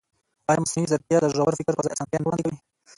ایا مصنوعي ځیرکتیا د ژور فکر پر ځای اسانتیا نه وړاندې کوي؟